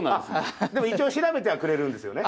一応調べてはくれるんですよね？